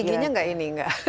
itu giginya enggak ini enggak